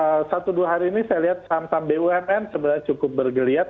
kalau satu dua hari ini saya lihat saham saham bumn sebenarnya cukup bergeliat